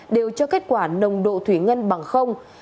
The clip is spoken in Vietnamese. đều cho kết quả nồng độ thủy ngân bằng